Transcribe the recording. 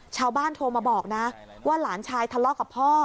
ชาวบ้านโทรมาบอกนะว่าหลานชายทะเลาะกับพ่อ